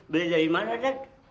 beli dari mana dad